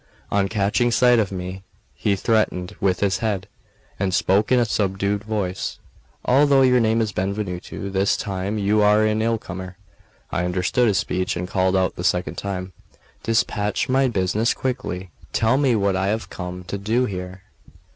On catching sight of me, he threatened with his head, and spoke in a subdued voice: "Although your name is Benvenuto, this time you are an ill comer." I understood his speech, and called out the second time: "Despatch my business quickly. Tell me what I have come to do here."